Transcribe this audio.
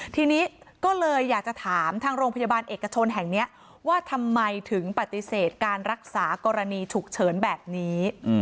ทีนี้ก็เลยอยากจะถามทางโรงพยาบาลเอกชนแห่งนี้ว่าทำไมถึงปฏิเสธการรักษากรณีฉุกเฉินแบบนี้